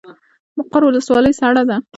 مقر ولسوالۍ سړه ده؟